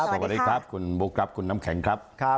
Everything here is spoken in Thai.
สวัสดีครับคุณบุ๊คครับคุณน้ำแข็งครับ